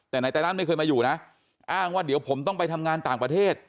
แต่นายไตรัสไม่เคยมาอยู่นะอ้างว่าเดี๋ยวผมต้องไปทำงานต่างประเทศ